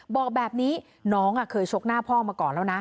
บอกแบบนี้น้องเคยชกหน้าพ่อมาก่อนแล้วนะ